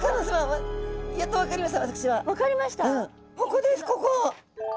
ここですここ。